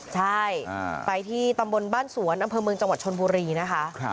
ใช่ไปที่ตำบลบ้านสวนอำเภอเมืองจังหวัดชนบุรีนะคะ